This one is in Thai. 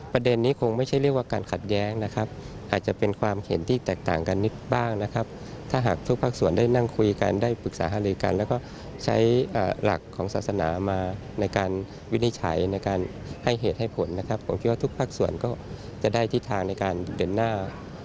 ประเด็นนี้คงไม่ใช่เรียกว่าการขัดแย้งนะครับอาจจะเป็นความเห็นที่แตกต่างกันนิดบ้างนะครับถ้าหากทุกภาคส่วนได้นั่งคุยกันได้ปรึกษาหาลือกันแล้วก็ใช้หลักของศาสนามาในการวินิจฉัยในการให้เหตุให้ผลนะครับผมคิดว่าทุกภาคส่วนก็จะได้ทิศทางในการเดินหน้า